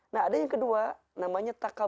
nah ada yang kedua namanya taqal